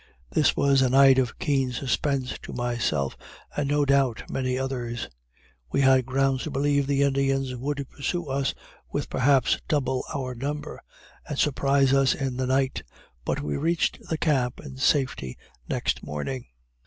This was a night of keen suspense to myself, and no doubt many others. We had grounds to believe the Indians would pursue us with perhaps double our number, and surprise us in the night; but we reached the camp in safety next morning.